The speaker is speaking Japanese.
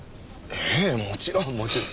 ええもちろんもちろん。